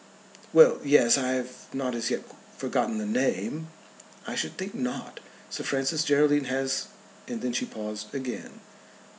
"Well, yes; I have not as yet forgotten the name." "I should think not. Sir Francis Geraldine has " And then she paused again.